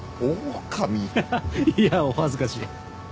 ハハいやお恥ずかしい。